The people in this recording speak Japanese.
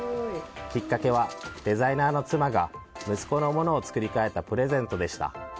きっかけはデザイナーの妻が息子のものを作り替えたプレゼントでした。